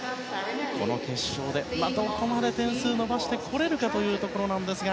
この決勝で、またどこまで点数を伸ばしてこれるかというところなんですが。